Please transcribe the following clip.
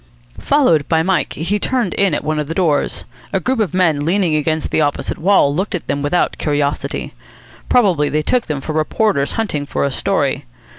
Followed by Mike, he turned in at one of the doors. A group of men leaning against the opposite wall looked at them without curiosity. Probably they took them for reporters hunting for a story.